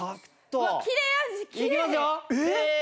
きれいー！